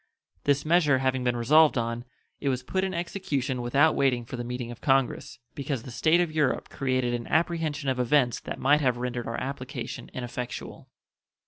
This measure having been resolved on, it was put in execution without waiting for the meeting of Congress, because the state of Europe created an apprehension of events that might have rendered our application ineffectual.